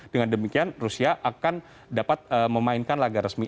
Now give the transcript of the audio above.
dengan demikian rusia akan dapat memainkan laga resmi